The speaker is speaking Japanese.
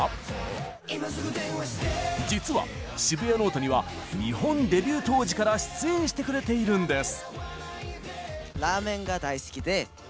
実は「シブヤノオト」には日本デビュー当時から出演してくれているんです。